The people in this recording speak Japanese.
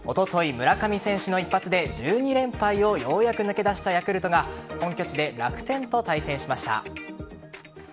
村上選手の一発で１２連敗をようやく抜け出したヤクルトが本拠地で楽天と対戦しました。